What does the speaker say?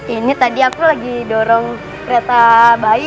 ini tadi aku lagi dorong kereta bayi